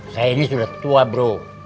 saya ini sudah tua bro